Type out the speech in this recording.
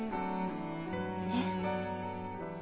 えっ？